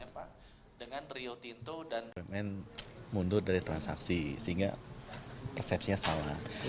pinjaman mundur dari transaksi sehingga persepsinya salah